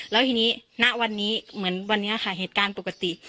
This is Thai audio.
แล้วทีนี้ณวันนี้เหมือนวันนี้ค่ะเหตุการณ์ปกติ